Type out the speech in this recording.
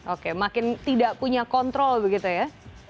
oke makin tidak punya kontrol begitu ya